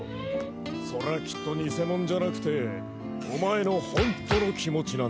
それはきっと偽物じゃなくてお前の本当の気持ちなんじゃねえの？